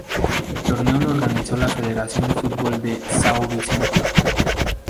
El torneo lo organizó la federación de fútbol de São Vicente.